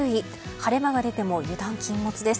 晴れ間が出ても油断禁物です。